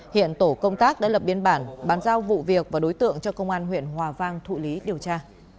hiện tổ công tác đã lập biên bản bán giao vụ việc và đối tượng cho công an huyện hòa vang thụ lý điều tra